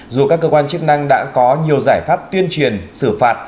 dù các cơ quan chức năng đã có nhiều giải pháp tuyên truyền xử phạt